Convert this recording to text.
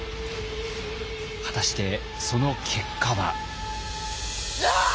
果たしてその結果は？